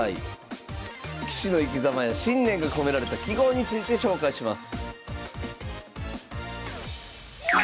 棋士の生きざまや信念が込められた揮毫について紹介します